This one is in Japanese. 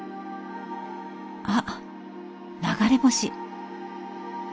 あっ流れ星。